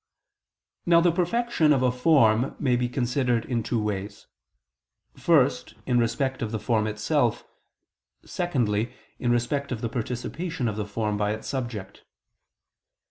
Now the perfection of a form may be considered in two ways: first, in respect of the form itself: secondly, in respect of the participation of the form by its subject.